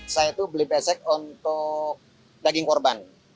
saya itu beli besek untuk daging kurban